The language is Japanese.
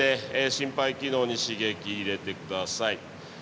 心肺機能に刺激入れて下さい。